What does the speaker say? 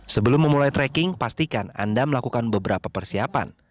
sebelum memulai tracking pastikan anda melakukan beberapa persiapan